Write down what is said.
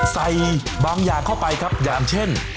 ใส่บางอย่างเข้าไปครับอย่างเช่น